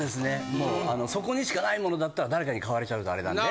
もうそこにしかないモノだったら誰かに買われちゃうとアレなんで。